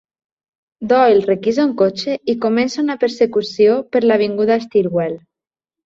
Doyle requisa un cotxe i comença una persecució per l'avinguda Stillwell.